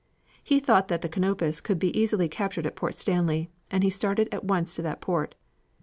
He thought that the Canopus could be easily captured at Port Stanley, and he started at once to that port.